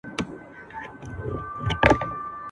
نه د عقل نه د کار وه نه د کور وه ..